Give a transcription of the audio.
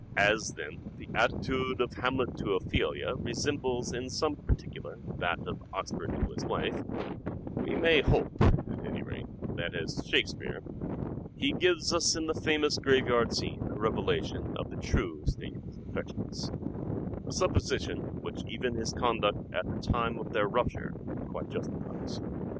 As, then, the attitude of Hamlet to Ophelia resembles in some particular that of Oxford to his wife, we may hope, at any rate, that, as " Shakespeare," he gives us in the famous graveyard scene a revelation of the true state of his affections : a supposition which even his conduct at the time of their rupture quite justifies.